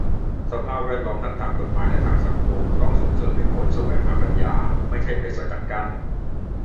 สภาพแวดล้อมทั้งทางกฎหมายและทางสังคม ต้องส่งเสริมให้คนแสวงหาปัญญา ไม่ใช่ไปสกัดกั้น